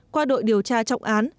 qua đội điều tra trọng án